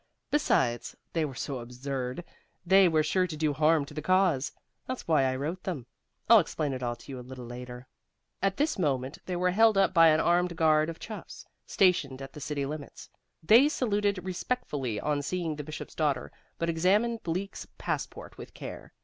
Besides, they were so absurd they were sure to do harm to the cause. That's why I wrote them. I'll explain it all to you a little later." At this moment they were held up by an armed guard of chuffs, stationed at the city limits. These saluted respectfully on seeing the Bishop's daughter, but examined Bleak's passport with care.